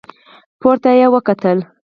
پورته يې وکتل.